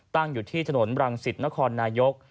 ตั้งอยู่ที่ถนนรังสิตนครนายก